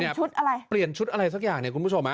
ชุดอะไรเปลี่ยนชุดอะไรสักอย่างเนี่ยคุณผู้ชมฮะ